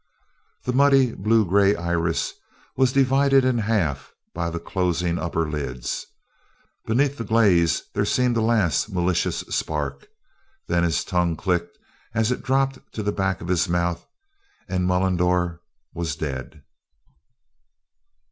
The muddy blue gray iris was divided in half by the closing upper lids. Beneath the glaze there seemed a last malicious spark. Then his tongue clicked as it dropped to the back of his mouth, and Mullendore was dead.